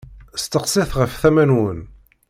Steqsit ɣer tama-nwen.